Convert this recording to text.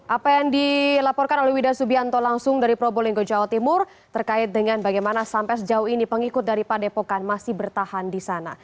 apa yang dilaporkan oleh wida subianto langsung dari probolinggo jawa timur terkait dengan bagaimana sampai sejauh ini pengikut dari padepokan masih bertahan di sana